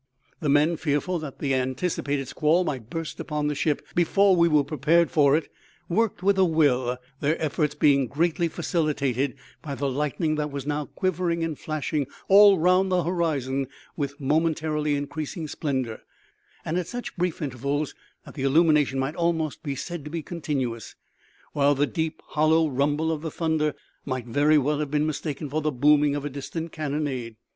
The men, fearful that the anticipated squall might burst upon the ship before we were prepared for it, worked with a will, their efforts being greatly facilitated by the lightning that was now quivering and flashing all round the horizon with momentarily increasing splendour, and at such brief intervals that the illumination might almost be said to be continuous; while the deep, hollow rumble of the thunder might very well have been mistaken for the booming of a distant cannonade.